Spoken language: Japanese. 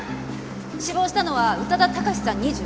死亡したのは宇多田貴史さん２５歳。